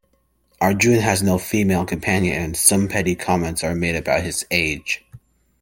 Arjun has no female companion and some petty comments are made about his age.